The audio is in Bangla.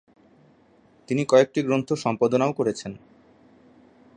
তিনি কয়েকটি গ্রন্থ সম্পাদনাও করেছেন।